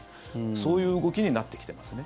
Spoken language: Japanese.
そういう動きになってきてますね。